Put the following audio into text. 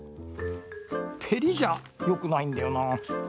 「ぺり」じゃよくないんだよな。